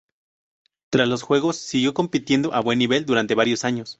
Tras los Juegos siguió compitiendo a buen nivel durante varios años.